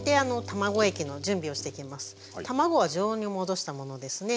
卵は常温に戻したものですね。